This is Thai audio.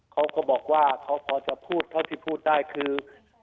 เขาก็บอกว่าเขาพอจะพูดเท่าที่พูดได้คือ